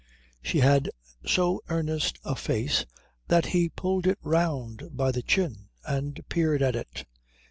She had so earnest a face that he pulled it round by the chin and peered at it.